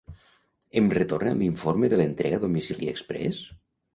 Em retornen l'informe de l'entrega a domicili expres?